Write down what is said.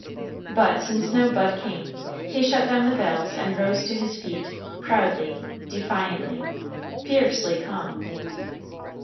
But since no Bud came, he shut down the valves and rose to his feet, proudly, defiantly, fiercely calm.